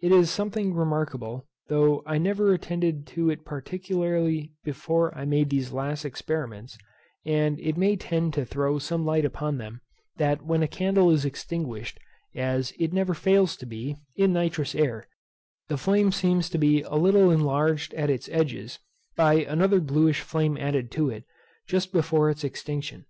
It is something remarkable, though I never attended to it particularly before I made these last experiments, and it may tend to throw some light upon them, that when a candle is extinguished, as it never fails to be, in nitrous air, the flame seems to be a little enlarged at its edges, by another bluish flame added to it, just before its extinction.